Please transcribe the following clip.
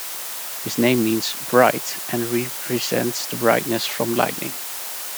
His name means "bright" and represents the brightness from lightning.